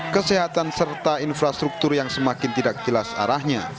kesehatan serta infrastruktur yang semakin tidak jelas arahnya